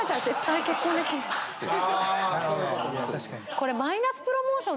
これ。